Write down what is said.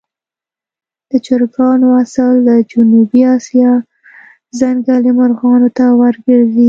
د چرګانو اصل د جنوبي آسیا ځنګلي مرغانو ته ورګرځي.